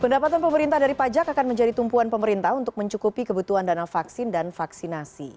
pendapatan pemerintah dari pajak akan menjadi tumpuan pemerintah untuk mencukupi kebutuhan dana vaksin dan vaksinasi